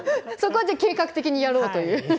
そこはじゃあ計画的にやろうという。